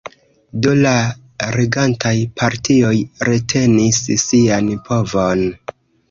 Do la regantaj partioj retenis sian povon.